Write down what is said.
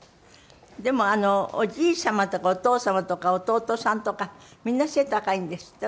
でもおじい様とかお父様とか弟さんとかみんな背高いんですって？